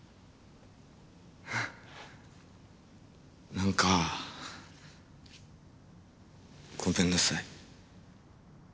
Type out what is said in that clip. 何かごめんなさい。